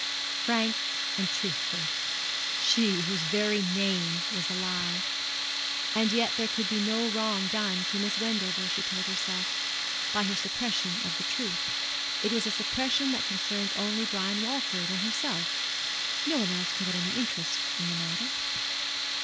Frank and truthful she whose very name was a lie! And yet there could be no wrong done to Miss Wendover, she told herself, by her suppression of the truth. It was a suppression that concerned only Brian Walford and herself. No one else could have any interest in the matter.